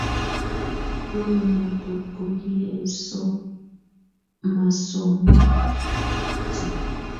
Bolo notok kokiyay masomonso